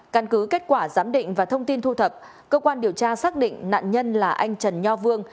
căn cứ kết quả giám định và thông tin thu thập cơ quan điều tra xác định nạn nhân là anh trần nho vương